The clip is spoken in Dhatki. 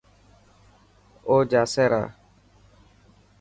اوجاسي را.